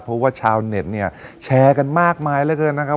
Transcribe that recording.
เพราะว่าชาวเน็ตแชร์กันมากมายแล้วเกินนะครับ